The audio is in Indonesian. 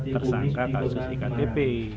tersangka pan sus iktp